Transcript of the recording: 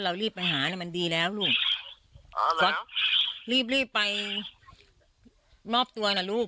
เรารีบไปหาเนี้ยมันดีแล้วลูกอ๋อแล้วรีบรีบไปนอบตัวนะลูก